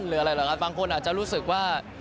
หรืออะไรเหรอครับบางคนอาจจะรู้สึกว่า